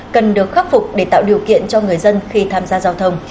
cần được khắc phục để tạo điều kiện cho người dân khi tham gia giao thông